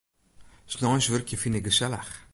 Sneins wurkje fyn ik gesellich.